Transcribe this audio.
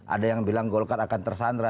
ada yang bilang golkar akan tersandra